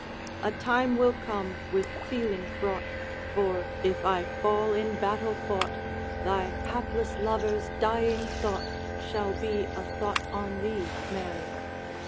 A time will come with feeling fraught, For, if I fall in battle fought, Thy hapless lover's dying thought Shall be a thought on thee, Mary.